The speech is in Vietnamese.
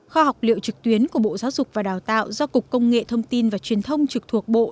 kho học liệu trực tuyến của bộ giáo dục và đào tạo do cục công nghệ thông tin và truyền thông trực thuộc bộ